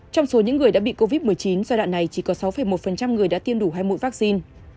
trong số những người đã bị covid một mươi chín giai đoạn này chỉ có sáu một người đã tiêm đủ hai mũi vaccine